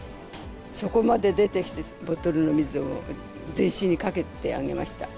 そこまで出てきて、ボトルの水を全身にかけてあげました。